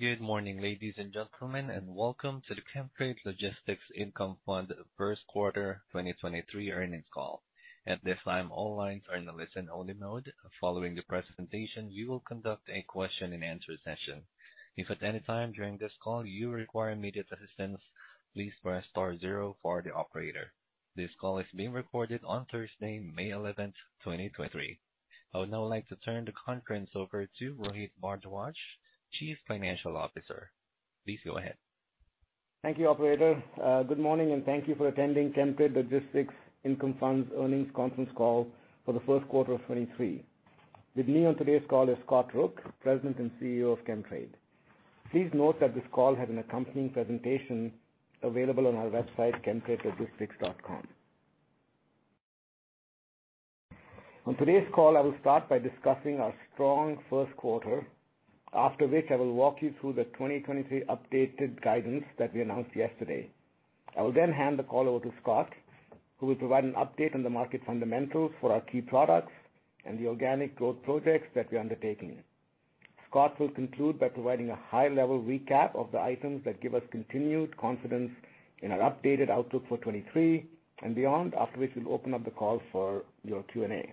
Good morning, ladies and gentlemen, and welcome to the Chemtrade Logistics Income Fund first quarter 2023 earnings call. At this time, all lines are in a listen-only mode. Following the presentation, we will conduct a question-and-answer session. If at any time during this call you require immediate assistance, please press star zero for the operator. This call is being recorded on Thursday, May 11th, 2023. I would now like to turn the conference over to Rohit Bhardwaj, Chief Financial Officer. Please go ahead. Thank you, operator. Good morning, and thank you for attending Chemtrade Logistics Income Fund's earnings conference call for the first quarter of 2023. With me on today's call is Scott Rook, President and CEO of Chemtrade. Please note that this call has an accompanying presentation available on our website, chemtradelogistics.com. On today's call, I will start by discussing our strong first quarter, after which I will walk you through the 2023 updated guidance that we announced yesterday. I will hand the call over to Scott, who will provide an update on the market fundamentals for our key products and the organic growth projects that we are undertaking. Scott will conclude by providing a high-level recap of the items that give us continued confidence in our updated outlook for 2023 and beyond, after which we'll open up the call for your Q&A.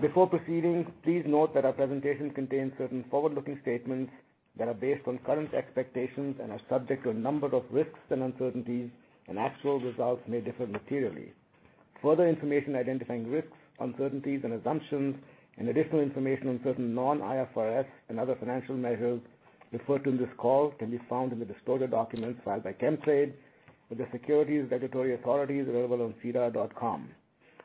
Before proceeding, please note that our presentation contains certain forward-looking statements that are based on current expectations and are subject to a number of risks and uncertainties, and actual results may differ materially. Further information identifying risks, uncertainties, and assumptions, and additional information on certain non-IFRS and other financial measures referred to in this call can be found in the disclosure documents filed by Chemtrade with the securities regulatory authorities available on sedar.com.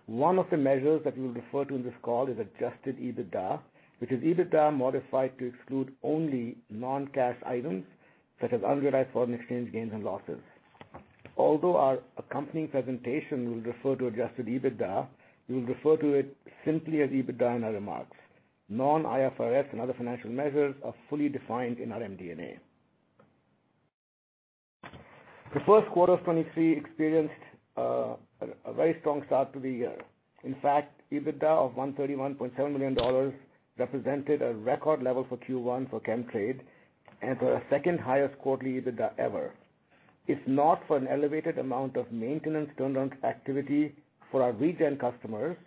One of the measures that we refer to in this call is Adjusted EBITDA, which is EBITDA modified to exclude only non-cash items such as unrealized foreign exchange gains and losses. Although our accompanying presentation will refer to Adjusted EBITDA, we will refer to it simply as EBITDA in our remarks. Non-IFRS and other financial measures are fully defined in our MD&A. The first quarter of 2023 experienced a very strong start to the year. In fact, EBITDA of 131.7 million dollars represented a record level for Q1 for Chemtrade and for our second-highest quarterly EBITDA ever. If not for an elevated amount of maintenance turnaround activity for our regen customers,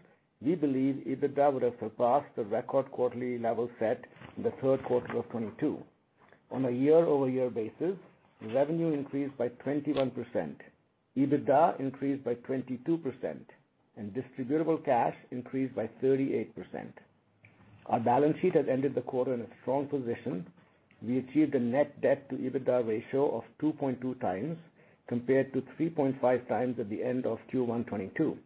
we believe EBITDA would have surpassed the record quarterly level set in the third quarter of 2022. On a year-over-year basis, revenue increased by 21%, EBITDA increased by 22%, and distributable cash increased by 38%. Our balance sheet has ended the quarter in a strong position. We achieved a net debt to EBITDA ratio of 2.2 times compared to 3.5 times at the end of Q1 2022.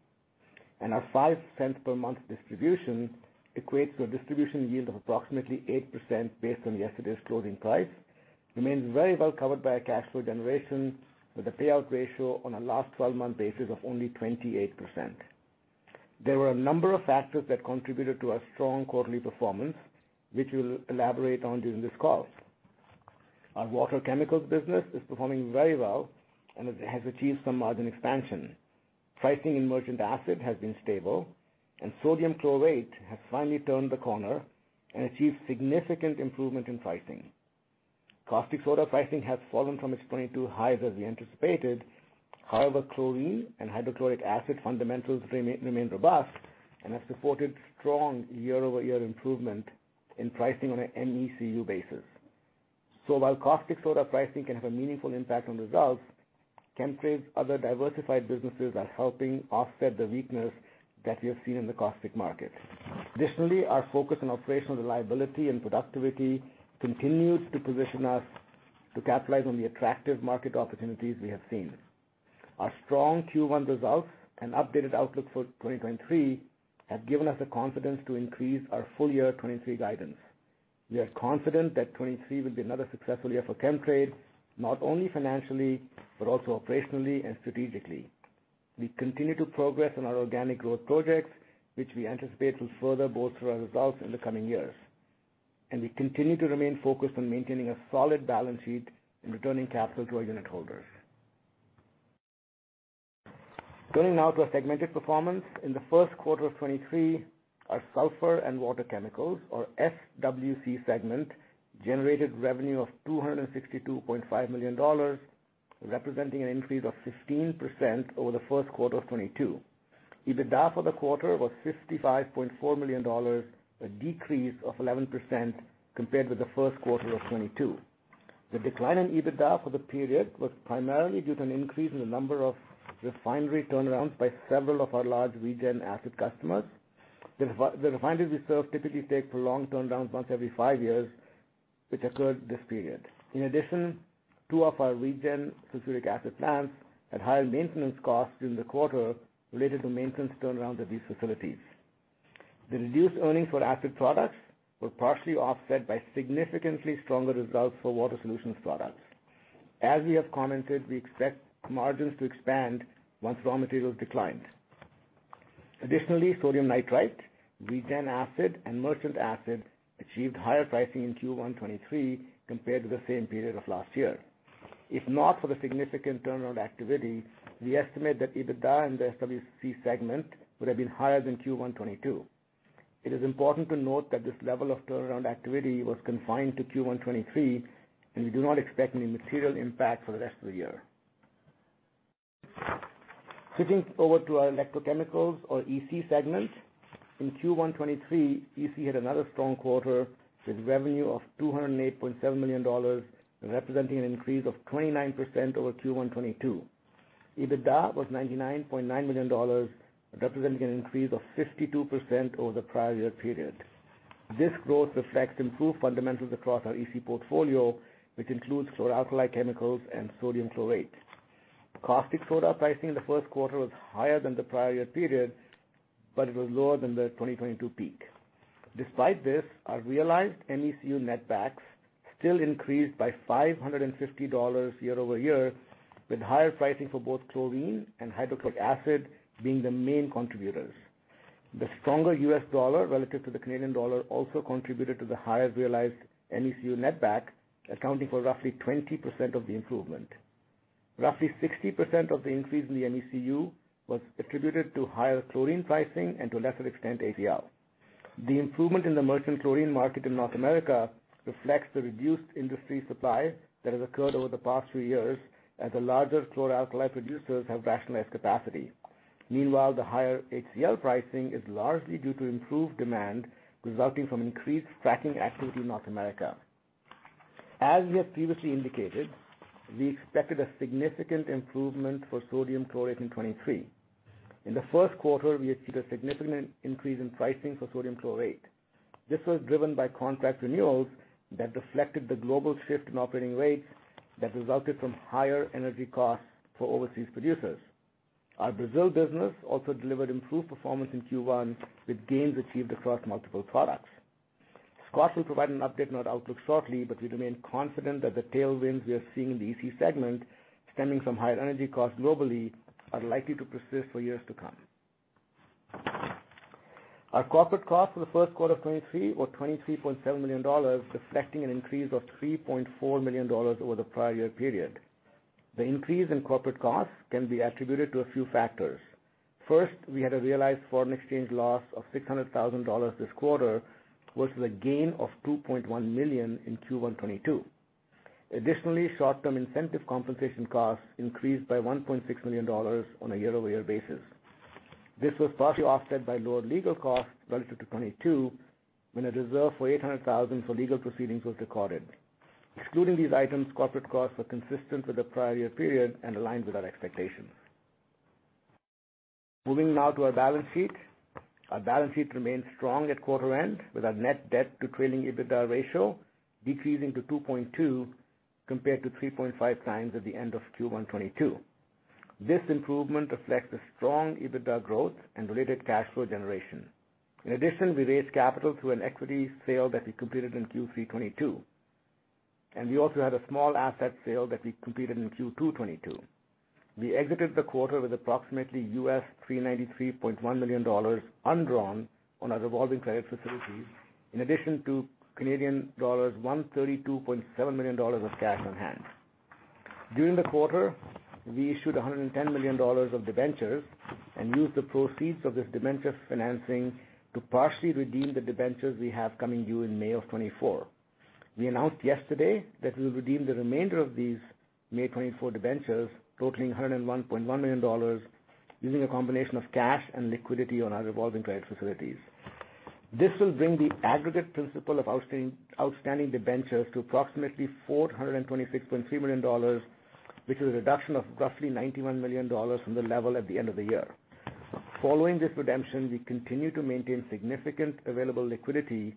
Our 0.05 per month distribution equates to a distribution yield of approximately 8% based on yesterday's closing price, remains very well covered by our cash flow generation with a payout ratio on a last 12-month basis of only 28%. There were a number of factors that contributed to our strong quarterly performance, which we'll elaborate on during this call. Our water chemicals business is performing very well and has achieved some margin expansion. Pricing in Merchant Acid has been stable, and Sodium Chlorate has finally turned the corner and achieved significant improvement in pricing. Caustic Soda pricing has fallen from its 2022 highs as we anticipated. However, Chlorine and Hydrochloric Acid fundamentals remain robust and have supported strong year-over-year improvement in pricing on an MECU basis. While Caustic Soda pricing can have a meaningful impact on results, Chemtrade's other diversified businesses are helping offset the weakness that we have seen in the Caustic market. Additionally, our focus on operational reliability and productivity continues to position us to capitalize on the attractive market opportunities we have seen. Our strong Q1 results and updated outlook for 2023 have given us the confidence to increase our full year 2023 guidance. We are confident that 2023 will be another successful year for Chemtrade, not only financially, but also operationally and strategically. We continue to progress on our organic growth projects, which we anticipate will further boost our results in the coming years. We continue to remain focused on maintaining a solid balance sheet and returning capital to our unit holders. Turning now to our segmented performance. In the first quarter of 2023, our Sulphur & Water Chemicals, or SWC segment, generated revenue of 262.5 million dollars, representing an increase of 15% over the first quarter of 2022. EBITDA for the quarter was 55.4 million dollars, a decrease of 11% compared with the first quarter of 2022. The decline in EBITDA for the period was primarily due to an increase in the number of refinery turnarounds by several of our large Regen Acid customers. The refineries we serve typically take prolonged turnarounds once every five years, which occurred this period. In addition, two of our Regen Sulphuric Acid plants had higher maintenance costs during the quarter related to maintenance turnaround at these facilities. The reduced earnings for acid products were partially offset by significantly stronger results for water solutions products. As we have commented, we expect margins to expand once raw materials decline. Additionally, Sodium Nitrite, Regen Acid, and Merchant Acid achieved higher pricing in Q1 2023 compared to the same period of last year. If not for the significant turnaround activity, we estimate that EBITDA in the SWC segment would have been higher than Q1 2022. It is important to note that this level of turnaround activity was confined to Q1 2023, and we do not expect any material impact for the rest of the year. Switching over to our electrochemicals or EC segment. In Q1 2023, EC had another strong quarter with revenue of 208.7 million dollars, representing an increase of 29% over Q1 2022. EBITDA was 99.9 million dollars, representing an increase of 52% over the prior year period. This growth reflects improved fundamentals across our EC portfolio, which includes chlor-alkali chemicals and Sodium Chlorate. Caustic Soda pricing in the first quarter was higher than the prior year period, it was lower than the 2022 peak. Despite this, our realized MECU netback still increased by 550 dollars year-over-year, with higher pricing for both Chlorine and Hydrochloric Acid being the main contributors. The stronger U.S. dollar relative to the Canadian dollar also contributed to the higher realized MECU netback, accounting for roughly 20% of the improvement. Roughly 60% of the increase in the MECU was attributed to higher Chlorine pricing and to a lesser extent, ACL. The improvement in the merchant Chlorine market in North America reflects the reduced industry supply that has occurred over the past three years as the larger chlor-alkali producers have rationalized capacity. The higher HCl pricing is largely due to improved demand resulting from increased fracking activity in North America. We have previously indicated, we expected a significant improvement for Sodium Chlorate in 2023. In the first quarter, we achieved a significant increase in pricing for Sodium Chlorate. This was driven by contract renewals that reflected the global shift in operating rates that resulted from higher energy costs for overseas producers. Our Brazil business also delivered improved performance in Q1, with gains achieved across multiple products. Scott will provide an update on our outlook shortly, we remain confident that the tailwinds we are seeing in the EC segment, stemming from higher energy costs globally, are likely to persist for years to come. Our corporate costs for the first quarter of 2023 were 23.7 million dollars, reflecting an increase of 3.4 million dollars over the prior year period. The increase in corporate costs can be attributed to a few factors. First, we had a realized foreign exchange loss of 600,000 dollars this quarter versus a gain of 2.1 million in Q1 2022. Additionally, short-term incentive compensation costs increased by 1.6 million dollars on a year-over-year basis. This was partially offset by lower legal costs relative to 2022, when a reserve for 800,000 for legal proceedings was recorded. Excluding these items, corporate costs were consistent with the prior year period and aligned with our expectations. Moving now to our balance sheet. Our balance sheet remained strong at quarter end, with our net debt to trailing EBITDA ratio decreasing to 2.2%, compared to 3.5x at the end of Q1 2022. This improvement reflects the strong EBITDA growth and related cash flow generation. In addition, we raised capital through an equity sale that we completed in Q3 2022, and we also had a small asset sale that we completed in Q2 2022. We exited the quarter with approximately $393.1 million undrawn on our revolving credit facility, in addition to Canadian dollars 132.7 million of cash on hand. During the quarter, we issued 110 million dollars of debentures and used the proceeds of this debenture financing to partially redeem the debentures we have coming due in May 2024. We announced yesterday that we'll redeem the remainder of these May 2024 debentures totaling 101.1 million dollars using a combination of cash and liquidity on our revolving credit facilities. This will bring the aggregate principal of outstanding debentures to approximately 426.3 million dollars, which is a reduction of roughly 91 million dollars from the level at the end of the year. Following this redemption, we continue to maintain significant available liquidity.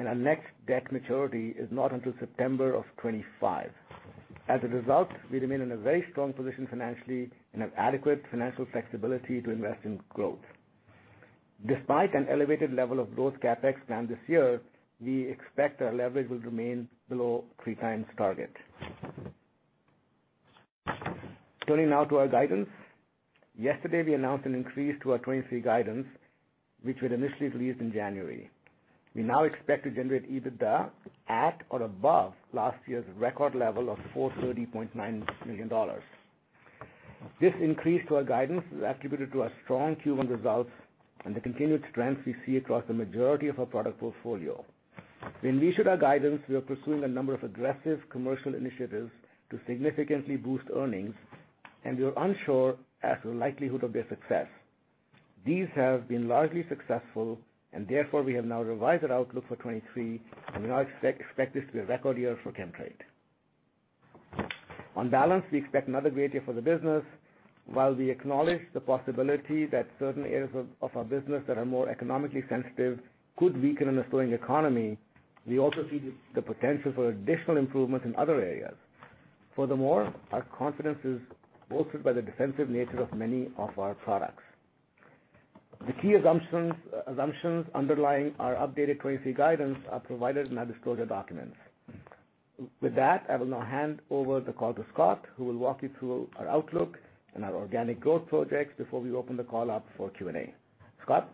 Our next debt maturity is not until September of 2025. As a result, we remain in a very strong position financially and have adequate financial flexibility to invest in growth. Despite an elevated level of growth CapEx planned this year, we expect our leverage will remain below 3x target. Turning now to our guidance. Yesterday, we announced an increase to our 2023 guidance, which we had initially released in January. We now expect to generate EBITDA at or above last year's record level of 430.9 million dollars. This increase to our guidance is attributed to our strong Q1 results and the continued trends we see across the majority of our product portfolio. When we issued our guidance, we are pursuing a number of aggressive commercial initiatives to significantly boost earnings, and we are unsure as to the likelihood of their success. These have been largely successful, and therefore, we have now revised our outlook for 2023, and we now expect this to be a record year for Chemtrade. On balance, we expect another great year for the business. While we acknowledge the possibility that certain areas of our business that are more economically sensitive could weaken in a slowing economy, we also see the potential for additional improvements in other areas. Our confidence is bolstered by the defensive nature of many of our products. The key assumptions underlying our updated 2023 guidance are provided in our disclosure documents. I will now hand over the call to Scott, who will walk you through our outlook and our organic growth projects before we open the call up for Q&A. Scott?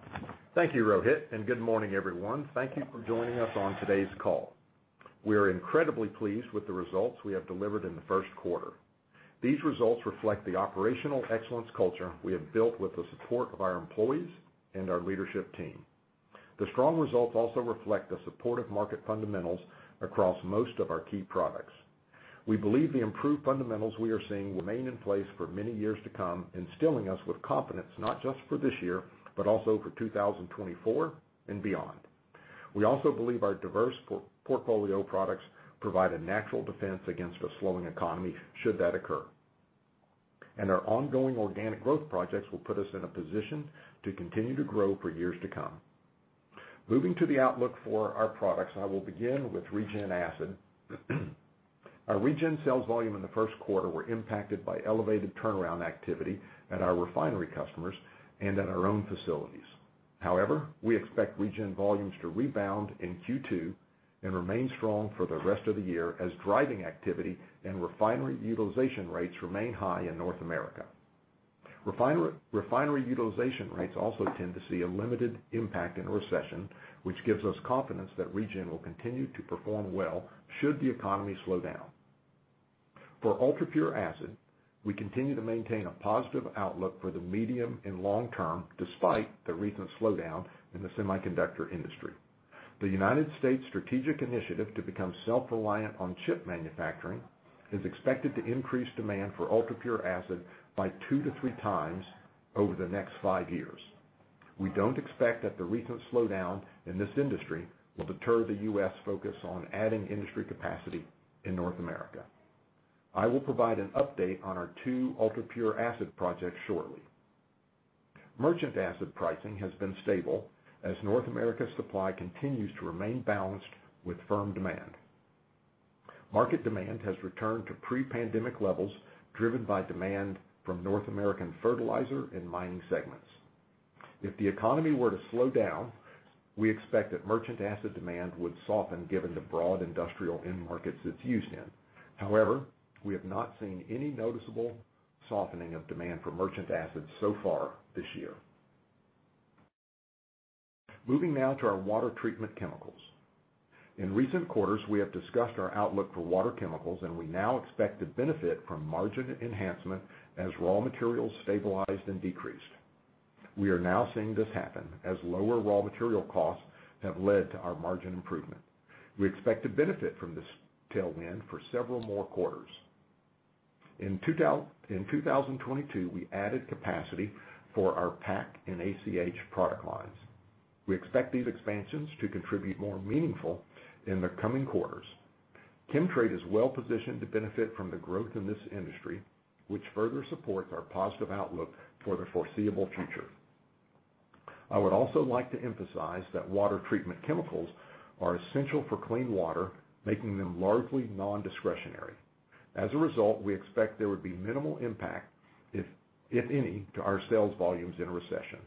Thank you, Rohit. Good morning, everyone. Thank you for joining us on today's call. We are incredibly pleased with the results we have delivered in the first quarter. These results reflect the operational excellence culture we have built with the support of our employees and our leadership team. The strong results also reflect the supportive market fundamentals across most of our key products. We believe the improved fundamentals we are seeing will remain in place for many years to come, instilling us with confidence not just for this year, but also for 2024 and beyond. We also believe our diverse portfolio products provide a natural defense against a slowing economy should that occur. Our ongoing organic growth projects will put us in a position to continue to grow for years to come. Moving to the outlook for our products, I will begin with Regen Acid. Our Regen sales volume in the first quarter were impacted by elevated turnaround activity at our refinery customers and at our own facilities. However, we expect Regen volumes to rebound in Q2 and remain strong for the rest of the year as driving activity and refinery utilization rates remain high in North America. Refinery utilization rates also tend to see a limited impact in a recession, which gives us confidence that Regen will continue to perform well should the economy slow down. For UltraPure Acid, we continue to maintain a positive outlook for the medium and long term despite the recent slowdown in the semiconductor industry. The United States strategic initiative to become self-reliant on chip manufacturing is expected to increase demand for UltraPure Acid by two to 3x over the next five years. We don't expect that the recent slowdown in this industry will deter the U.S. focus on adding industry capacity in North America. I will provide an update on our two UltraPure Acid projects shortly. Merchant Acid pricing has been stable as North America's supply continues to remain balanced with firm demand. Market demand has returned to pre-pandemic levels driven by demand from North American fertilizer and mining segments. If the economy were to slow down, we expect that Merchant Acid demand would soften given the broad industrial end markets it's used in. However, we have not seen any noticeable softening of demand for Merchant Acid so far this year. Moving now to our water treatment chemicals. In recent quarters, we have discussed our outlook for water chemicals, and we now expect to benefit from margin enhancement as raw materials stabilized and decreased. We are now seeing this happen as lower raw material costs have led to our margin improvement. We expect to benefit from this tailwind for several more quarters. In 2022, we added capacity for our PAC and ACH product lines. We expect these expansions to contribute more meaningful in the coming quarters. Chemtrade is well positioned to benefit from the growth in this industry, which further supports our positive outlook for the foreseeable future. I would also like to emphasize that water treatment chemicals are essential for clean water, making them largely nondiscretionary. As a result, we expect there would be minimal impact, if any, to our sales volumes in a recession.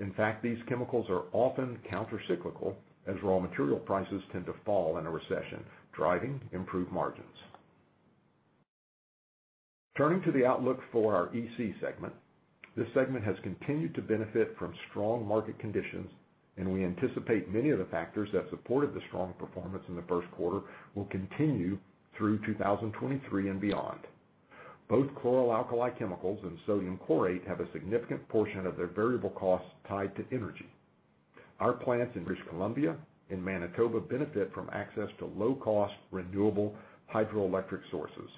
In fact, these chemicals are often countercyclical as raw material prices tend to fall in a recession, driving improved margins. Turning to the outlook for our EC segment. This segment has continued to benefit from strong market conditions. We anticipate many of the factors that supported the strong performance in the first quarter will continue through 2023 and beyond. Both chlor-alkali chemicals and Sodium Chlorate have a significant portion of their variable costs tied to energy. Our plants in British Columbia and Manitoba benefit from access to low-cost, renewable hydroelectric sources.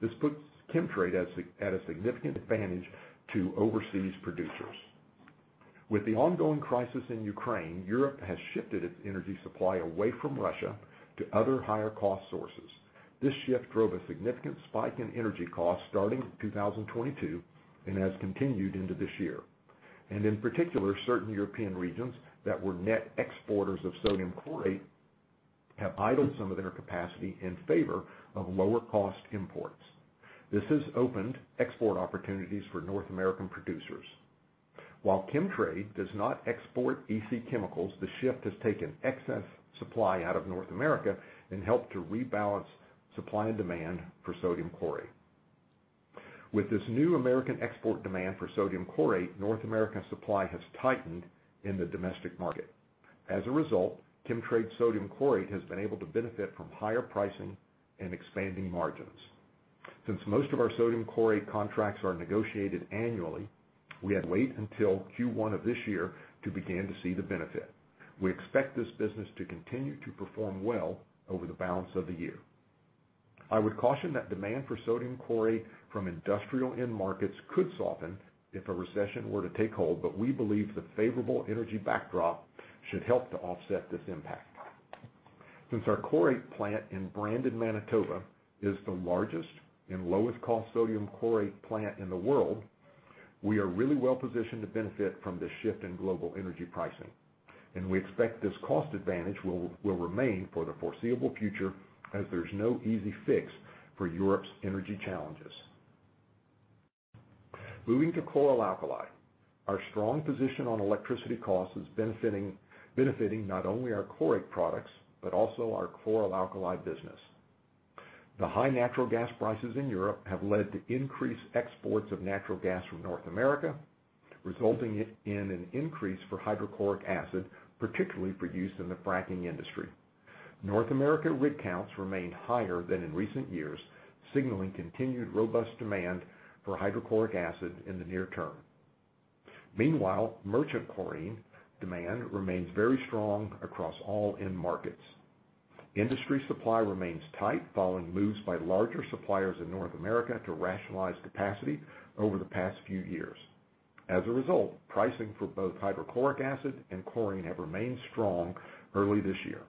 This puts Chemtrade at a significant advantage to overseas producers. With the ongoing crisis in Ukraine, Europe has shifted its energy supply away from Russia to other higher cost sources. This shift drove a significant spike in energy costs starting in 2022 and has continued into this year. In particular, certain European regions that were net exporters of Sodium Chlorate have idled some of their capacity in favor of lower cost imports. This has opened export opportunities for North American producers. While Chemtrade does not export EC chemicals, the shift has taken excess supply out of North America and helped to rebalance supply and demand for Sodium Chlorate. With this new American export demand for Sodium Chlorate, North American supply has tightened in the domestic market. As a result, Chemtrade Sodium Chlorate has been able to benefit from higher pricing and expanding margins. Since most of our Sodium Chlorate contracts are negotiated annually, we had to wait until Q1 of this year to begin to see the benefit. We expect this business to continue to perform well over the balance of the year. I would caution that demand for Sodium Chlorate from industrial end markets could soften if a recession were to take hold, but we believe the favorable energy backdrop should help to offset this impact. Since our chlorate plant in Brandon, Manitoba, is the largest and lowest cost Sodium Chlorate plant in the world, we are really well positioned to benefit from this shift in global energy pricing. We expect this cost advantage will remain for the foreseeable future as there's no easy fix for Europe's energy challenges. Moving to chlor-alkali. Our strong position on electricity costs is benefiting not only our chlorate products, but also our chlor-alkali business. The high natural gas prices in Europe have led to increased exports of natural gas from North America, resulting in an increase for Hydrochloric Acid, particularly for use in the fracking industry. North America rig counts remain higher than in recent years, signaling continued robust demand for Hydrochloric Acid in the near term. Meanwhile, merchant Chlorine demand remains very strong across all end markets. Industry supply remains tight following moves by larger suppliers in North America to rationalize capacity over the past few years. As a result, pricing for both Hydrochloric Acid and Chlorine have remained strong early this year.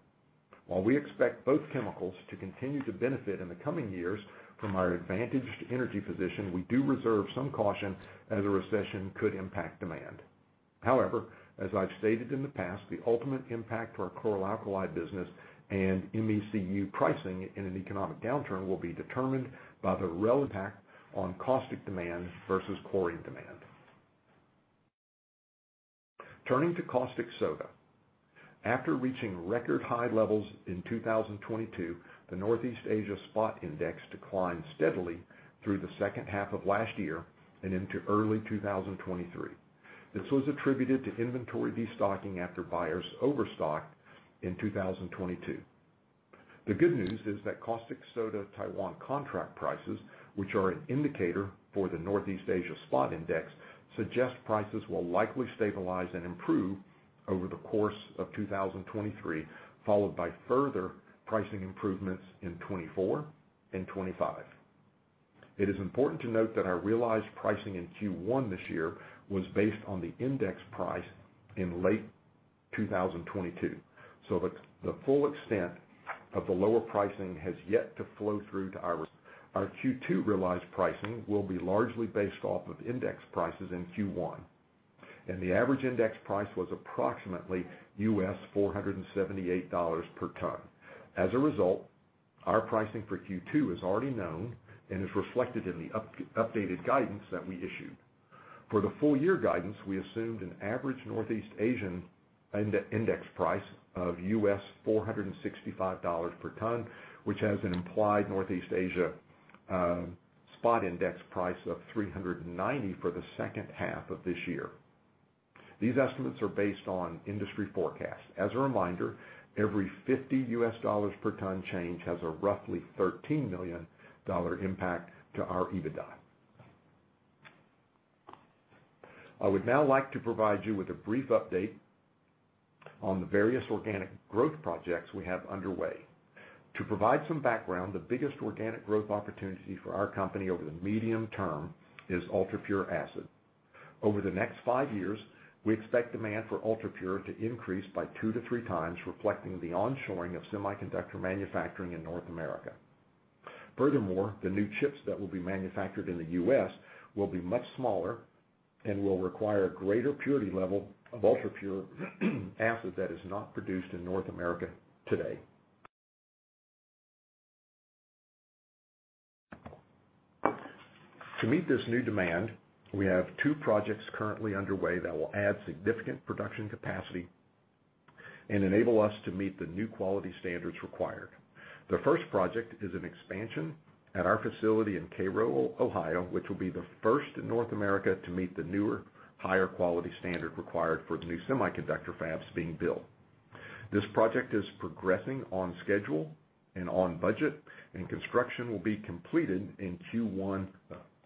While we expect both chemicals to continue to benefit in the coming years from our advantaged energy position, we do reserve some caution as a recession could impact demand. However, as I've stated in the past, the ultimate impact to our chlor-alkali business and MECU pricing in an economic downturn will be determined by the relative impact on Caustic demand versus Chlorine demand. Turning to Caustic Soda. After reaching record high levels in 2022, the Northeast Asia spot index declined steadily through the second half of last year and into early 2023. This was attributed to inventory destocking after buyers overstocked in 2022. The good news is that Caustic Soda Taiwan contract prices, which are an indicator for the Northeast Asia spot index, suggest prices will likely stabilize and improve over the course of 2023, followed by further pricing improvements in 2024 and 2025. It is important to note that our realized pricing in Q1 this year was based on the index price in late 2022. The full extent of the lower pricing has yet to flow through to our. Our Q2 realized pricing will be largely based off of index prices in Q1, and the average index price was approximately $478 per ton. As a result, our pricing for Q2 is already known and is reflected in the updated guidance that we issued. For the full year guidance, we assumed an average Northeast Asian index price of $465 per ton, which has an implied Northeast Asia spot index price of $390 for the second half of this year. These estimates are based on industry forecasts. As a reminder, every $50 per ton change has a roughly $13 million impact to our EBITDA. I would now like to provide you with a brief update on the various organic growth projects we have underway. To provide some background, the biggest organic growth opportunity for our company over the medium term is UltraPure Acid. Over the next five years, we expect demand for UltraPure to increase by two to three times, reflecting the onshoring of semiconductor manufacturing in North America. Furthermore, the new chips that will be manufactured in the U.S. will be much smaller and will require a greater purity level of UltraPure Acid that is not produced in North America today. To meet this new demand, we have two projects currently underway that will add significant production capacity and enable us to meet the new quality standards required. The first project is an expansion at our facility in Cairo, Ohio, which will be the first in North America to meet the newer, higher quality standard required for the new semiconductor fabs being built. This project is progressing on schedule and on budget, and construction will be completed in Q1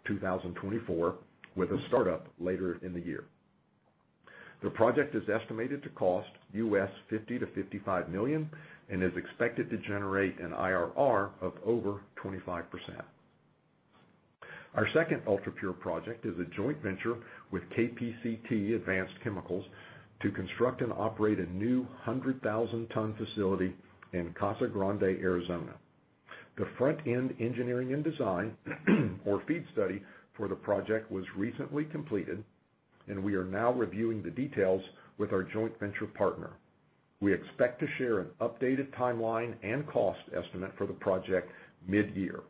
2024, with a startup later in the year. The project is estimated to cost $50 million-55 million and is expected to generate an IRR of over 25%. Our second UltraPure project is a joint venture with KPCT Advanced Chemicals to construct and operate a new 100,000 ton facility in Casa Grande, Arizona. The front-end engineering and design, or FEED study for the project was recently completed, and we are now reviewing the details with our joint venture partner. We expect to share an updated timeline and cost estimate for the project mid-year.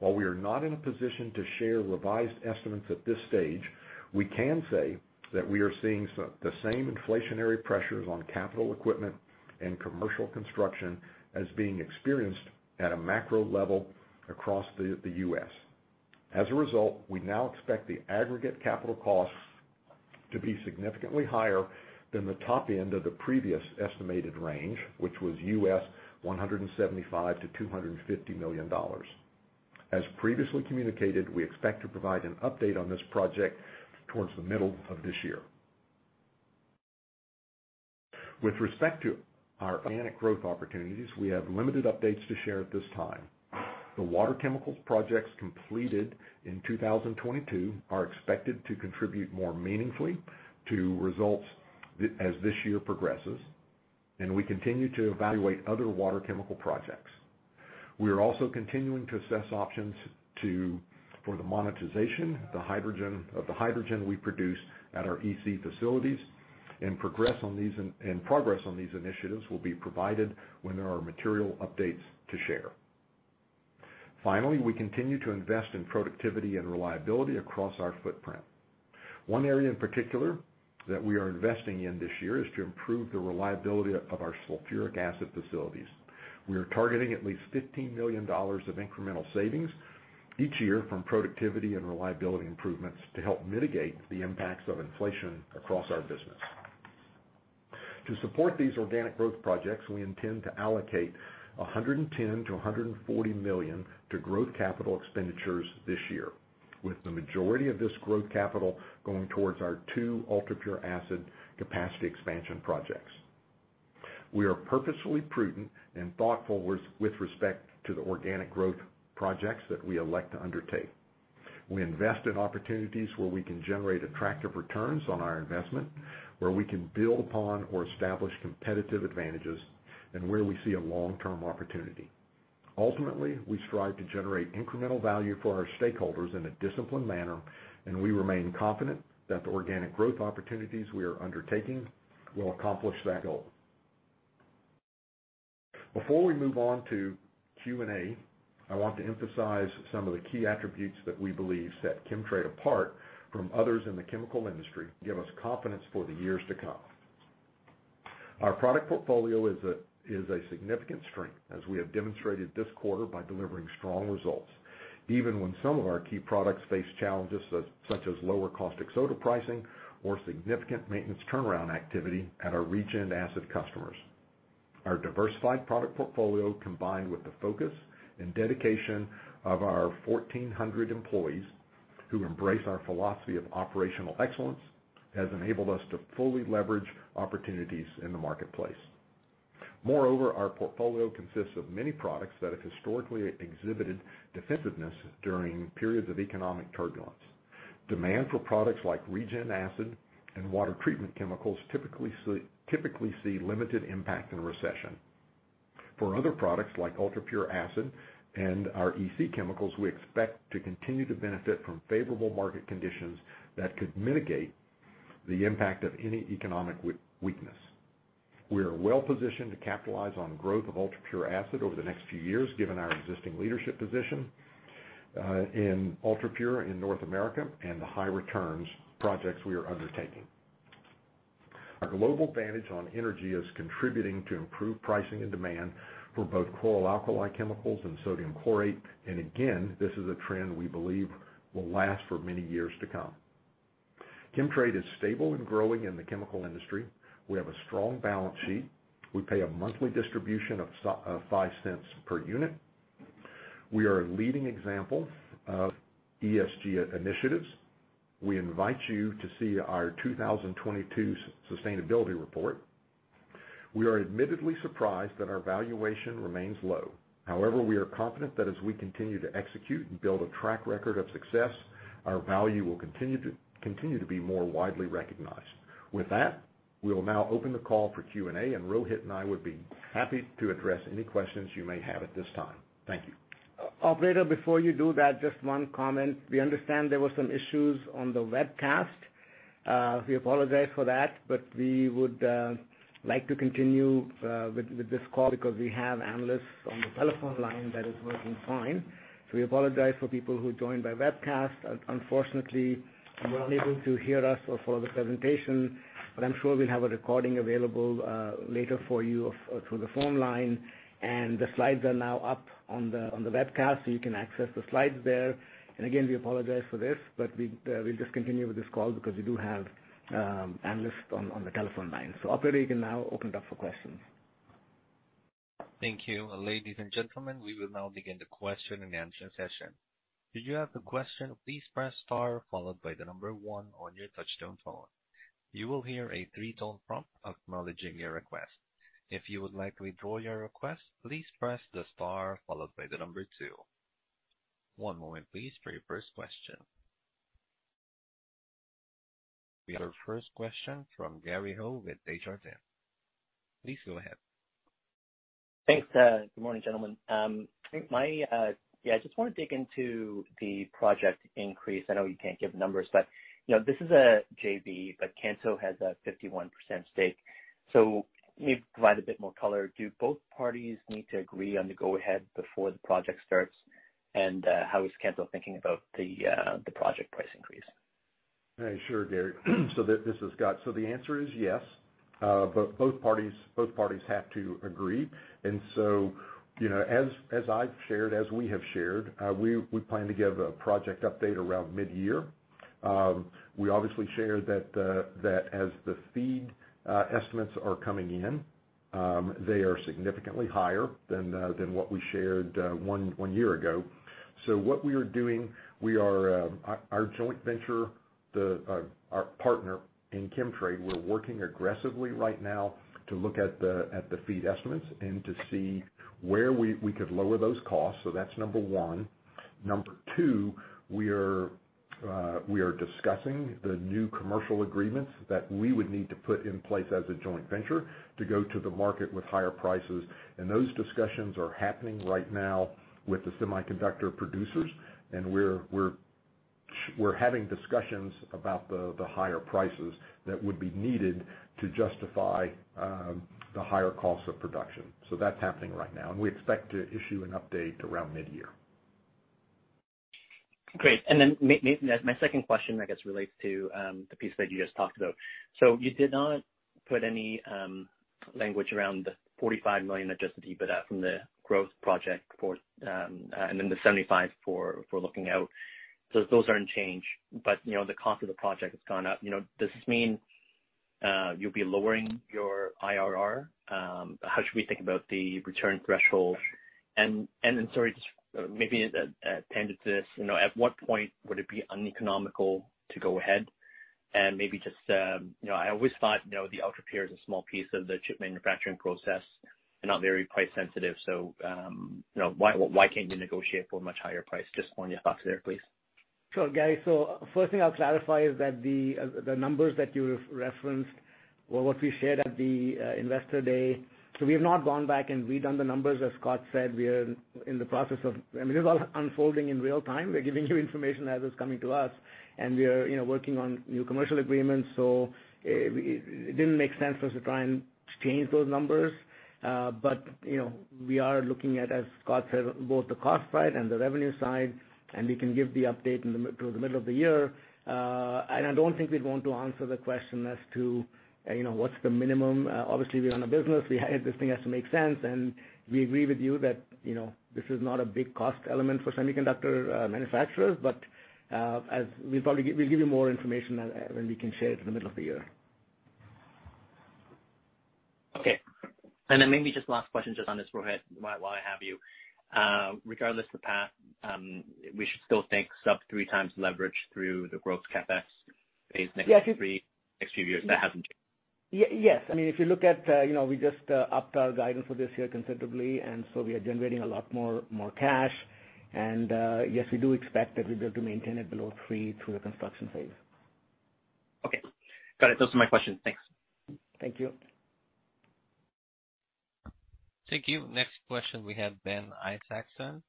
While we are not in a position to share revised estimates at this stage, we can say that we are seeing the same inflationary pressures on capital equipment and commercial construction as being experienced at a macro level across the U.S. As a result, we now expect the aggregate capital costs to be significantly higher than the top end of the previous estimated range, which was $175 million-250 million. As previously communicated, we expect to provide an update on this project towards the middle of this year. With respect to our organic growth opportunities, we have limited updates to share at this time. The water chemicals projects completed in 2022 are expected to contribute more meaningfully to results as this year progresses, and we continue to evaluate other water chemical projects. We are also continuing to assess options for the monetization of the Hydrogen we produce at our EC facilities and progress on these initiatives will be provided when there are material updates to share. Finally, we continue to invest in productivity and reliability across our footprint. One area in particular that we are investing in this year is to improve the reliability of our Sulphuric Acid facilities. We are targeting at least 15 million dollars of incremental savings each year from productivity and reliability improvements to help mitigate the impacts of inflation across our business. To support these organic growth projects, we intend to allocate 110 million-140 million to growth capital expenditures this year, with the majority of this growth capital going towards our two UltraPure Acid capacity expansion projects. We are purposefully prudent and thoughtful with respect to the organic growth projects that we elect to undertake. We invest in opportunities where we can generate attractive returns on our investment, where we can build upon or establish competitive advantages, and where we see a long-term opportunity. Ultimately, we strive to generate incremental value for our stakeholders in a disciplined manner, and we remain confident that the organic growth opportunities we are undertaking will accomplish that goal. Before we move on to Q&A, I want to emphasize some of the key attributes that we believe set Chemtrade apart from others in the chemical industry give us confidence for the years to come. Our product portfolio is a significant strength, as we have demonstrated this quarter by delivering strong results, even when some of our key products face challenges such as lower Caustic Soda pricing or significant maintenance turnaround activity at our Regen Acid customers. Our diversified product portfolio, combined with the focus and dedication of our 1,400 employees who embrace our philosophy of operational excellence, has enabled us to fully leverage opportunities in the marketplace. Our portfolio consists of many products that have historically exhibited defensiveness during periods of economic turbulence. Demand for products like Regen Acid and water treatment chemicals typically see limited impact in a recession. For other products like UltraPure Acid and our EC chemicals, we expect to continue to benefit from favorable market conditions that could mitigate the impact of any economic weakness. We are well positioned to capitalize on growth of UltraPure Acid over the next few years, given our existing leadership position in UltraPure in North America and the high returns projects we are undertaking. Our global advantage on energy is contributing to improved pricing and demand for both chlor-alkali chemicals and Sodium Chlorate, and again, this is a trend we believe will last for many years to come. Chemtrade is stable and growing in the chemical industry. We have a strong balance sheet. We pay a monthly distribution of 0.05 per unit. We are a leading example of ESG initiatives. We invite you to see our 2022 sustainability report. We are admittedly surprised that our valuation remains low. However, we are confident that as we continue to execute and build a track record of success, our value will continue to be more widely recognized. With that, we will now open the call for Q&A. Rohit and I would be happy to address any questions you may have at this time. Thank you. Operator, before you do that, just one comment. We understand there were some issues on the webcast. We apologize for that, but we would like to continue with this call because we have analysts on the telephone line that is working fine. We apologize for people who joined by webcast. Unfortunately, you were unable to hear us or follow the presentation, but I'm sure we'll have a recording available later for you through the phone line. The slides are now up on the webcast, so you can access the slides there. Again, we apologize for this, but we'll just continue with this call because we do have analysts on the telephone line. Operator, you can now open it up for questions. Thank you. Ladies and gentlemen, we will now begin the question and answer session. If you have a question, please press star followed by the number one on your touch-tone phone. You will hear a three-tone prompt acknowledging your request. If you would like to withdraw your request, please press the star followed by the number two. One moment please, for your first question. We have our first question from Gary Ho with Desjardins. Please go ahead. Thanks. Good morning, gentlemen. My, yeah, I just want to dig into the project increase. I know you can't give numbers, but, you know, this is a JV, but Kanto has a 51% stake. Can you provide a bit more color? Do both parties need to agree on the go ahead before the project starts? How is Kanto thinking about the project price increase? Sure, Gary. This is Scott. The answer is yes. Both parties have to agree. You know, as I've shared, as we have shared, we plan to give a project update around mid-year. We obviously shared that as the FEED estimates are coming in, they are significantly higher than what we shared one year ago. What we are doing, we are our joint venture, our partner in Chemtrade, working aggressively right now to look at the FEED estimates and to see where we could lower those costs. That's number one. Number two, we are discussing the new commercial agreements that we would need to put in place as a joint venture to go to the market with higher prices. Those discussions are happening right now with the semiconductor producers. We're having discussions about the higher prices that would be needed to justify the higher cost of production. That's happening right now, and we expect to issue an update around mid-year. Great. Then my second question, I guess, relates to the piece that you just talked about. You did not put any language around the $45 million Adjusted EBITDA from the growth project for the $75 million for looking out. Those are in change, but, you know, the cost of the project has gone up. You know, does this mean you'll be lowering your IRR? How should we think about the return threshold? Sorry, just maybe a tangent to this, you know, at what point would it be uneconomical to go ahead? Maybe just, you know, I always thought, you know, the UltraPure is a small piece of the chip manufacturing process and not very price sensitive. Why can't you negotiate for a much higher price? Just want your thoughts there, please. Sure, Gary. First thing I'll clarify is that the numbers that you referenced were what we shared at the investor day. We have not gone back and redone the numbers. As Scott said, we are in the process of. I mean, this is all unfolding in real time. We're giving you information as it's coming to us, and we are, you know, working on new commercial agreements, so it didn't make sense for us to try and change those numbers. You know, we are looking at, as Scott said, both the cost side and the revenue side, and we can give the update toward the middle of the year. I don't think we'd want to answer the question as to, you know, what's the minimum. Obviously, we run a business. This thing has to make sense. We agree with you that, you know, this is not a big cost element for semiconductor manufacturers. As we'll give you more information as, when we can share it in the middle of the year. Okay. Maybe just last question just on this, Rohit, while I have you. Regardless of the path, we should still think sub-3x leverage through the growth CapEx phase next few years. That hasn't changed. Yes. I mean, if you look at, you know, we just upped our guidance for this year considerably, and so we are generating a lot more cash. Yes, we do expect that we'll be able to maintain it below three through the construction phase. Okay. Got it. Those are my questions. Thanks. Thank you. Thank you. Next question we have Ben Isaacson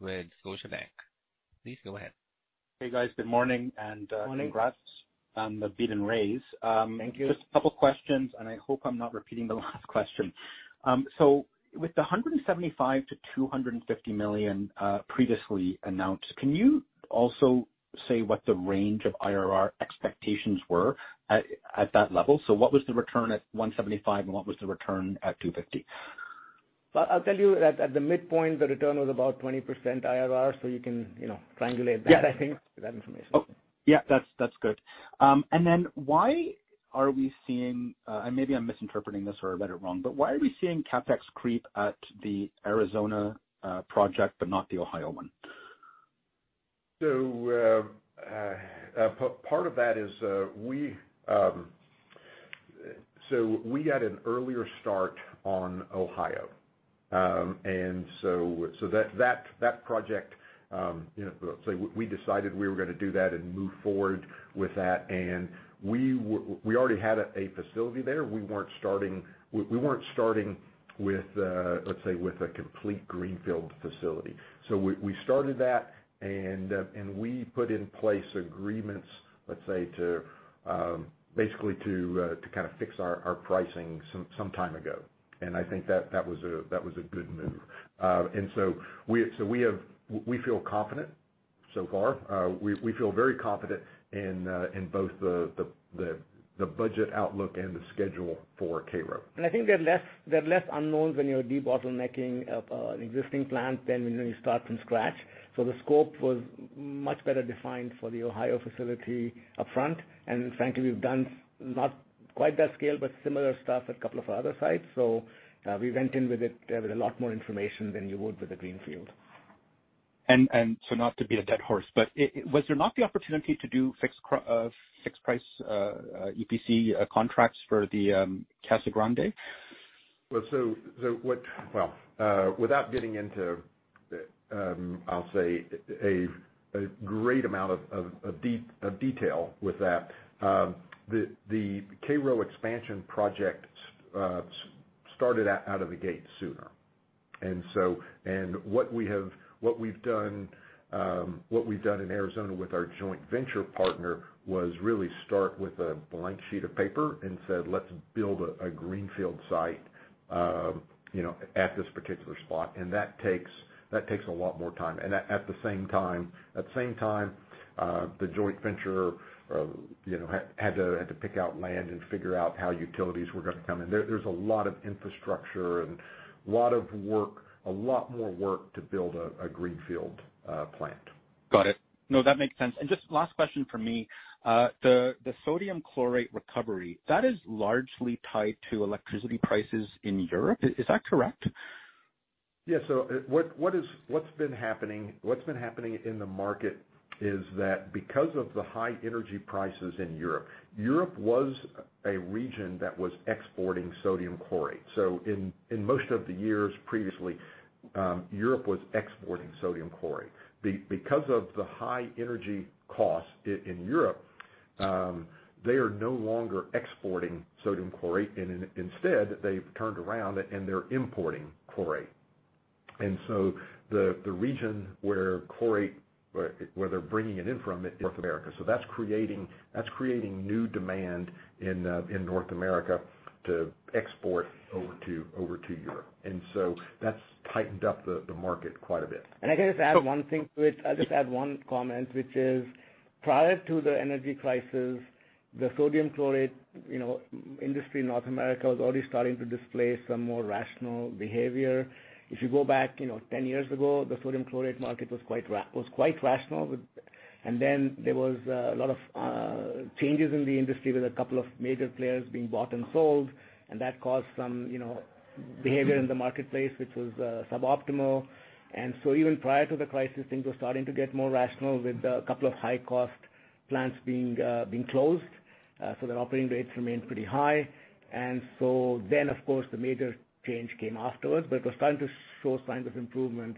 with Scotiabank. Please go ahead. Hey, guys. Good morning. Morning. Congrats on the beat and raise. Thank you. Just a couple questions. I hope I'm not repeating the last question. With the 175 million-250 million previously announced, can you also say what the range of IRR expectations were at that level? What was the return at 175 and what was the return at 250? I'll tell you that at the midpoint, the return was about 20% IRR, so you can, you know, triangulate that, I think, with that information. Yeah. Oh, yeah, that's good. Why are we seeing, and maybe I'm misinterpreting this or I read it wrong, but why are we seeing CapEx creep at the Arizona project, but not the Ohio one? Part of that is we had an earlier start on Ohio. That project, you know, we decided we were gonna do that and move forward with that. We already had a facility there. We weren't starting with a complete greenfield facility. We started that and we put in place agreements to basically to kind of fix our pricing some time ago. I think that was a good move. We feel confident so far. We feel very confident in both the budget outlook and the schedule for Cairo. I think there are less unknowns when you're debottlenecking an existing plant than when you start from scratch. The scope was much better defined for the Ohio facility upfront. Frankly, we've done not quite that scale, but similar stuff at a couple of our other sites. We went in with it with a lot more information than you would with a greenfield. Not to beat a dead horse, but Was there not the opportunity to do fixed price EPC contracts for the Casa Grande? Well, without getting into, I'll say a great amount of detail with that, the Cairo expansion project started out of the gate sooner. What we've done, what we've done in Arizona with our joint venture partner was really start with a blank sheet of paper and said, "Let's build a greenfield site, you know, at this particular spot." That takes a lot more time. At the same time, the joint venture, you know, had to pick out land and figure out how utilities were gonna come in. There's a lot of infrastructure and a lot of work, a lot more work to build a greenfield plant. Got it. No, that makes sense. Just last question from me. The Sodium Chlorate recovery, that is largely tied to electricity prices in Europe. Is that correct? What's been happening in the market is that because of the high energy prices in Europe was a region that was exporting Sodium Chlorate. In most of the years previously, Europe was exporting Sodium Chlorate. Because of the high energy costs in Europe, they are no longer exporting Sodium Chlorate, and instead, they've turned around and they're importing chlorate. The region where they're bringing it in from is North America. That's creating new demand in North America to export over to Europe. That's tightened up the market quite a bit. I can just add one thing to it. I'll just add one comment, which is prior to the energy crisis, the Sodium Chlorate, you know, industry in North America was already starting to display some more rational behavior. If you go back, you know, 10 years ago, the Sodium Chlorate market was quite rational. Then there was a lot of changes in the industry with a couple of major players being bought and sold, and that caused some, you know, behavior in the marketplace which was suboptimal. Even prior to the crisis, things were starting to get more rational with a couple of high-cost plants being closed, so their operating rates remained pretty high. Then, of course, the major change came afterwards. It was starting to show signs of improvement,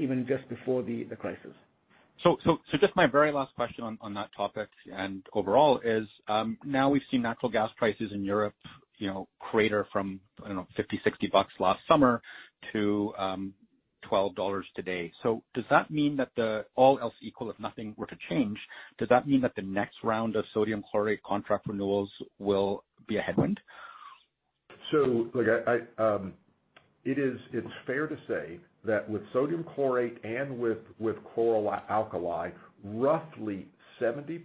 even just before the crisis. Just my very last question on that topic and overall is, now we've seen natural gas prices in Europe, you know, crater from, I don't know, $50, 60 last summer to, $12 today. All else equal, if nothing were to change, does that mean that the next round of Sodium Chlorate contract renewals will be a headwind? Look, it's fair to say that with Sodium Chlorate and with chlor-alkali, roughly 70%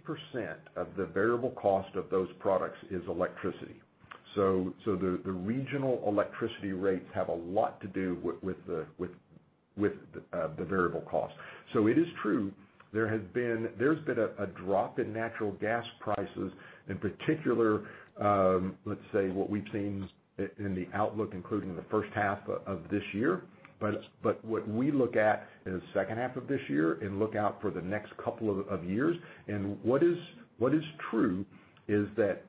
of the variable cost of those products is electricity. The regional electricity rates have a lot to do with the variable costs. It is true, there's been a drop in natural gas prices, in particular, let's say what we've seen in the outlook, including the first half of this year. What we look at in the second half of this year and look out for the next couple of years, what is true is that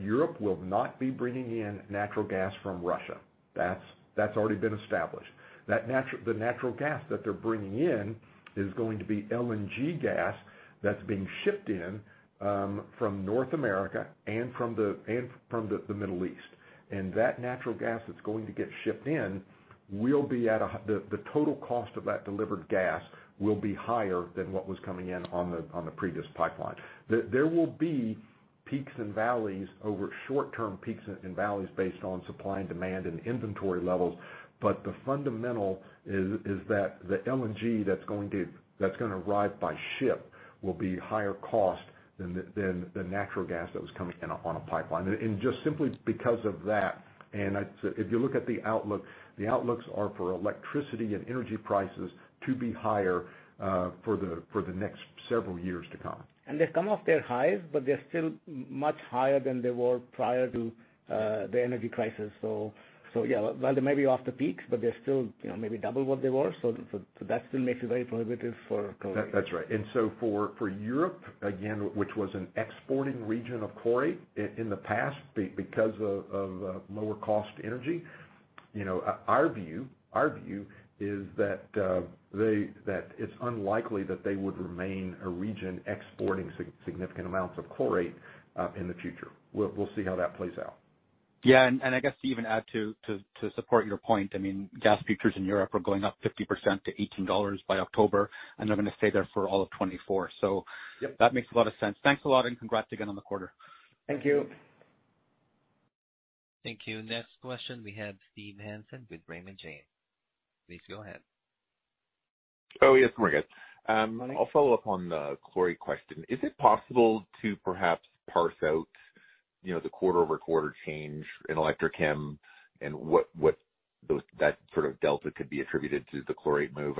Europe will not be bringing in natural gas from Russia. That's already been established. That the natural gas that they're bringing in is going to be LNG gas that's being shipped in from North America and from the Middle East. That natural gas that's going to get shipped in will be at the total cost of that delivered gas will be higher than what was coming in on the previous pipeline. There will be peaks and valleys over short-term peaks and valleys based on supply and demand and inventory levels. The fundamental is that the LNG that's gonna arrive by ship will be higher cost than the natural gas that was coming in on a pipeline. Just simply because of that, if you look at the outlook, the outlooks are for electricity and energy prices to be higher, for the next several years to come. They've come off their highs, but they're still much higher than they were prior to the energy crisis. Yeah, well, they may be off the peaks, but they're still, you know, maybe double what they were. That still makes it very prohibitive for chlorate. That's right. For Europe, again, which was an exporting region of chlorate in the past because of lower cost energy, you know, our view is that it's unlikely that they would remain a region exporting significant amounts of chlorate in the future. We'll see how that plays out. Yeah. And I guess to even add to support your point, I mean, gas futures in Europe are going up 50% to $18 by October, and they're gonna stay there for all of 2024. Yep. That makes a lot of sense. Thanks a lot and congrats again on the quarter. Thank you. Thank you. Next question, we have Steve Hansen with Raymond James. Please go ahead. Yes, morning, guys. I'll follow up on the chlorate question. Is it possible to perhaps parse out, you know, the quarter-over-quarter change in electric chem and that sort of delta could be attributed to the chlorate move?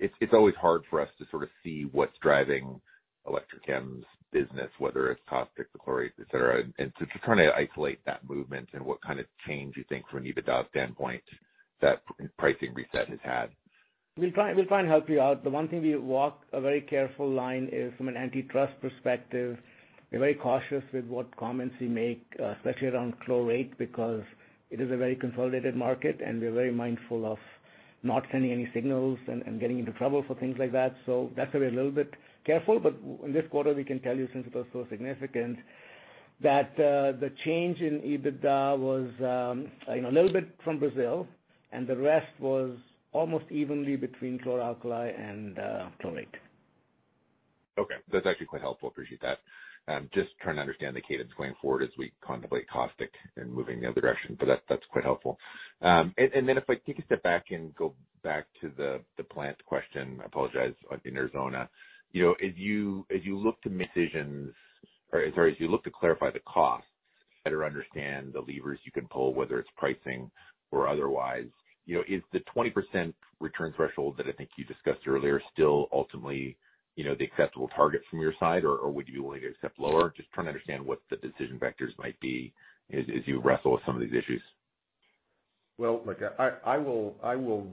It's always hard for us to sort of see what's driving electric chem's business, whether it's caustic to chlorate, et cetera. Just trying to isolate that movement and what kind of change you think from an EBITDA standpoint that pricing reset has had? We'll try and help you out. The one thing we walk a very careful line is from an antitrust perspective, we're very cautious with what comments we make, especially around chlorate, because it is a very consolidated market, and we're very mindful of not sending any signals and getting into trouble for things like that. That's why we're a little bit careful. In this quarter, we can tell you, since it was so significant, that the change in EBITDA was, you know, a little bit from Brazil and the rest was almost evenly between chlor-alkali and chlorate. Okay. That's actually quite helpful. Appreciate that. Just trying to understand the cadence going forward as we contemplate caustic and moving the other direction. That's quite helpful. Then if I take a step back and go back to the plant question, I apologize, in Arizona. You know, as you, as you look to make decisions or as you look to clarify the costs, better understand the levers you can pull, whether it's pricing or otherwise, you know, is the 20% return threshold that I think you discussed earlier still ultimately, you know, the acceptable target from your side, or would you be willing to accept lower? Just trying to understand what the decision vectors might be as you wrestle with some of these issues. Well, look, I will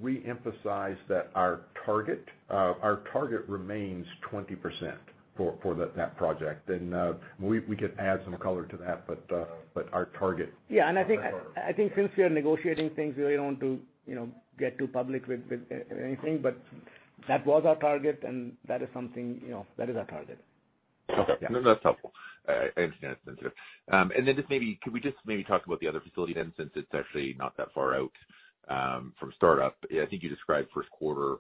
reemphasize that our target remains 20% for that project. We could add some color to that, but our target- I think since we are negotiating things, we don't want to, you know, get too public with anything. That was our target, and that is something, you know, that is our target. Okay. No, that's helpful. I understand it's sensitive. Just maybe could we just maybe talk about the other facility then, since it's actually not that far out from startup. I think you described first quarter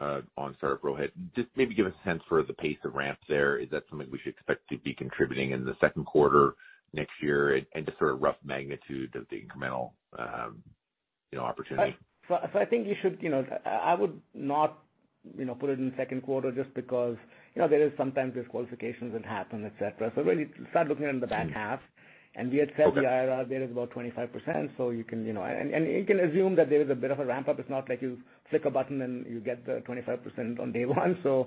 on startup. Go ahead. Just maybe give a sense for the pace of ramp there. Is that something we should expect to be contributing in the second quarter next year? Just for a rough magnitude of the incremental, you know, opportunity. I think you should. You know, I would not, you know, put it in second quarter just because, you know, there is sometimes disqualifications that happen, etc. Really start looking in the back half. We had said the IRR there is about 25%, so you can, you know. You can assume that there is a bit of a ramp-up. It's not like you flick a button and you get the 25% on day one. You-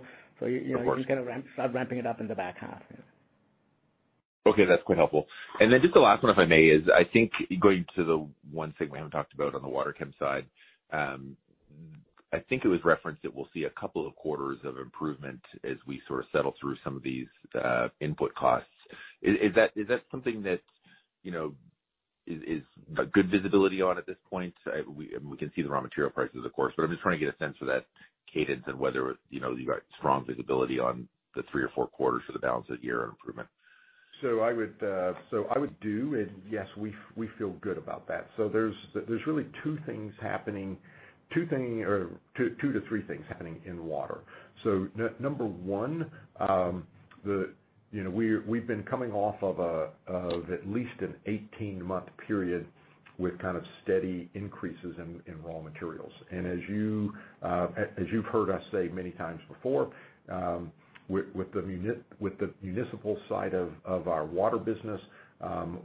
Of course. Kind of ramp, start ramping it up in the back half, yeah. Okay, that's quite helpful. Just the last one, if I may, is I think going to the one thing we haven't talked about on the water chem side. I think it was referenced that we'll see a couple of quarters of improvement as we sort of settle through some of these input costs. Is that something that, you know, is a good visibility on at this point? We can see the raw material prices, of course, but I'm just trying to get a sense of that cadence and whether, you know, you've got strong visibility on the three or 4 quarters for the balance of year improvement. I would do, and yes, we feel good about that. There's really two things happening, two things or two to three things happening in water. Number one, you know, we've been coming off of at least an 18-month period with kind of steady increases in raw materials. As you've heard us say many times before, with the municipal side of our water business,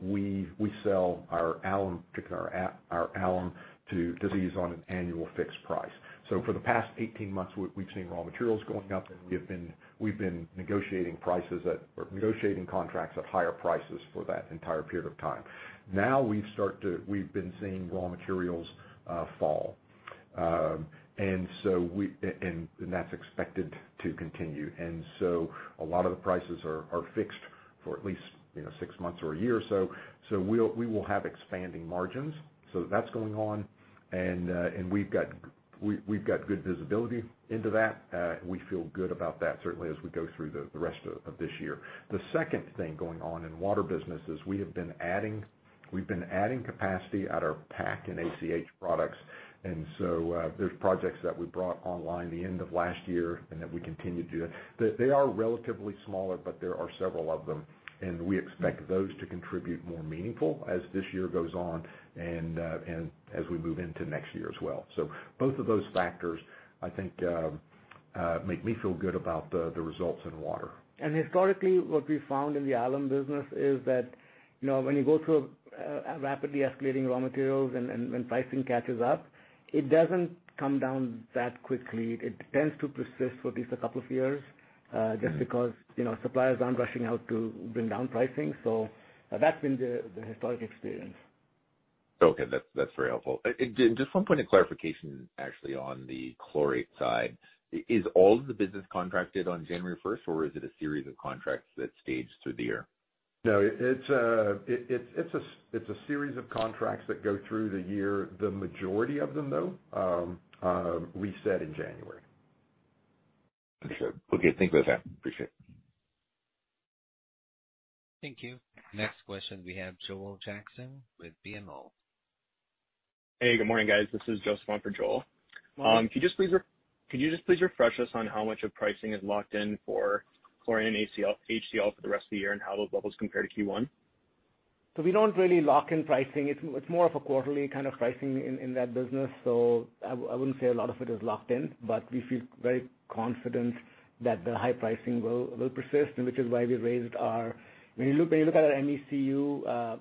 we sell our alum, particularly our alum to municipalities on an annual fixed price. For the past 18 months, we've seen raw materials going up and we've been negotiating prices at, or negotiating contracts at higher prices for that entire period of time. Now we've been seeing raw materials fall. That's expected to continue. A lot of the prices are fixed for at least, you know, six months or a year. We'll, we will have expanding margins. That's going on. We've got good visibility into that. We feel good about that, certainly as we go through the rest of this year. The second thing going on in water business is we have been adding capacity at our PAC and ACH products. There's projects that we brought online the end of last year and that we continue to do that. They are relatively smaller, but there are several of them, and we expect those to contribute more meaningful as this year goes on and as we move into next year as well. Both of those factors, I think, make me feel good about the results in water. Historically what we found in the alum business is that, you know, when you go through rapidly escalating raw materials and when pricing catches up, it doesn't come down that quickly. It tends to persist for at least a couple of year, just because, you know, suppliers aren't rushing out to bring down pricing. That's been the historic experience. Okay. That's very helpful. Just one point of clarification, actually, on the chlorate side. Is all of the business contracted on January first, or is it a series of contracts that stage through the year? No, it's a series of contracts that go through the year. The majority of them, though, reset in January. Understood. Okay, thank you for that. Appreciate it. Thank you. Next question we have Joel Jackson with BMO. Hey, good morning, guys. This is Joseph on for Joel. Morning. Can you just please refresh us on how much of pricing is locked in for Chlorine and HCl for the rest of the year and how those levels compare to Q1? We don't really lock in pricing. It's more of a quarterly kind of pricing in that business. I wouldn't say a lot of it is locked in, but we feel very confident that the high pricing will persist, and which is why we raised our... When you look at our MECU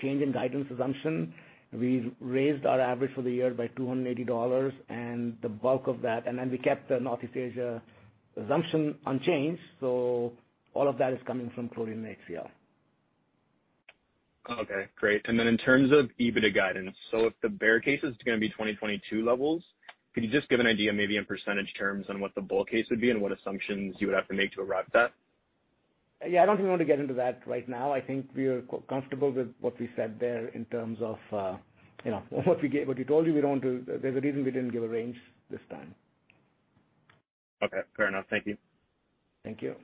change in guidance assumption, we've raised our average for the year by 280 dollars, and the bulk of that... Then we kept the Northeast Asia assumption unchanged. All of that is coming from Chlorine and HCl. Okay, great. In terms of EBITDA guidance, if the bear case is gonna be 2022 levels, could you just give an idea, maybe in percentage terms, on what the bull case would be and what assumptions you would have to make to arrive at that? I don't even want to get into that right now. I think we are comfortable with what we said there in terms of, you know, what we gave, what we told you. There's a reason we didn't give a range this time. Okay, fair enough. Thank you. Thank you.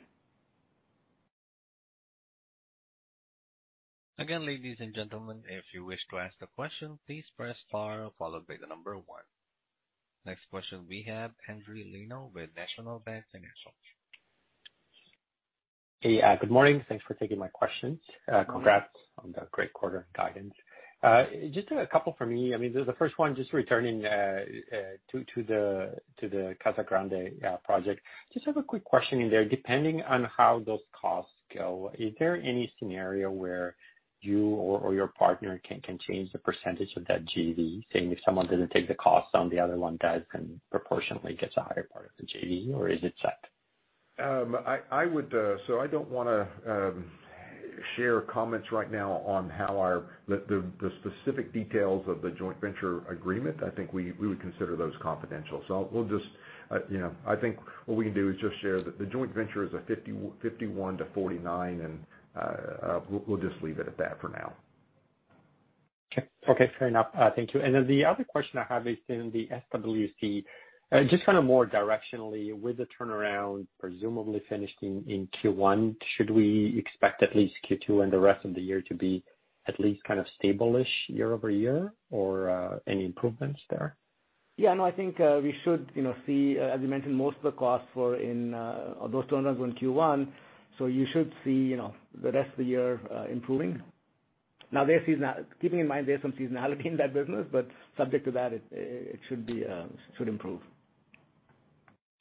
Again, ladies and gentlemen, if you wish to ask a question, please press star followed by one. Next question we have Endri Leno with National Bank Financial.. Hey, good morning. Thanks for taking my questions. Congrats on the great quarter guidance. Just a couple from me. I mean, the first one just returning to the Casa Grande project. Just have a quick question in there. Depending on how those costs go, is there any scenario where you or your partner can change the percentage of that JV, saying if someone doesn't take the cost, then the other one does and proportionately gets a higher part of the JV, or is it set? I would. I don't wanna share comments right now on the specific details of the joint venture agreement. I think we would consider those confidential. We'll just. You know, I think what we can do is just share that the joint venture is a 51 to 49, and we'll just leave it at that for now. Okay. Okay, fair enough. Thank you. Then the other question I have is in the SWC. Just kinda more directionally, with the turnaround presumably finished in Q1, should we expect at least Q2 and the rest of the year to be at least kind of stable-ish year-over-year? Or, any improvements there? No, I think, we should, you know, see, as you mentioned, most of the costs were in, or those turnarounds were in Q1. You should see, you know, the rest of the year improving. Keeping in mind there's some seasonality in that business, subject to that, it should be, should improve.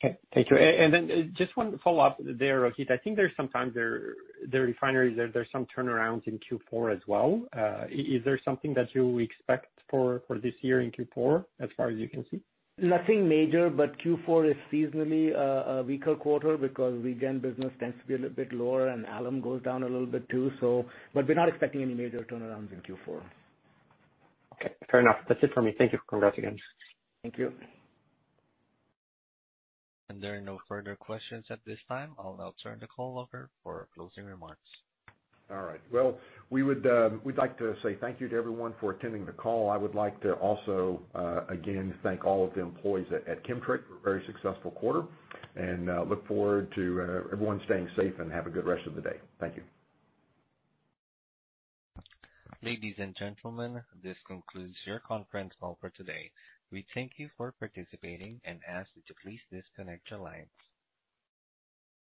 Okay, thank you. Then just one follow-up there, Rohit. I think there's sometimes there refineries, there's some turnarounds in Q4 as well. Is there something that you would expect for this year in Q4 as far as you can see? Nothing major. Q4 is seasonally a weaker quarter because Regen business tends to be a little bit lower and alum goes down a little bit too. We're not expecting any major turnarounds in Q4. Okay, fair enough. That's it for me. Thank you. Congrats again. Thank you. There are no further questions at this time. I'll now turn the call over for closing remarks. All right. Well, we'd like to say thank you to everyone for attending the call. I would like to also again, thank all of the employees at Chemtrade for a very successful quarter. Look forward to everyone staying safe and have a good rest of the day. Thank you. Ladies and gentlemen, this concludes your conference call for today. We thank you for participating and ask that you please disconnect your lines.